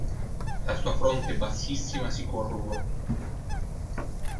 La sua fronte bassissima si corrugò.